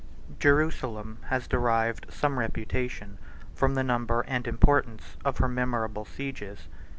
Jerusalem has derived some reputation from the number and importance of her memorable sieges.